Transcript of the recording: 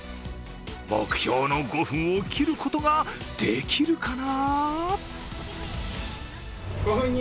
目標の５分を切ることができるかな？